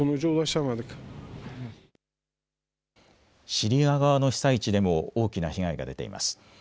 シリア側の被災地でも大きな被害が出ています。